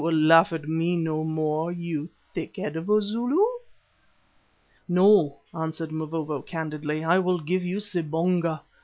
will you laugh at me any more, you thick head of a Zulu?" "No," answered Mavovo candidly. "I will give you sibonga.